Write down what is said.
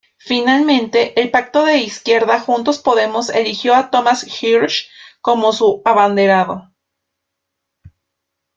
Finalmente, el pacto de izquierda Juntos Podemos eligió a Tomás Hirsch como su abanderado.